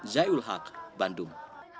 zaiul haq bandung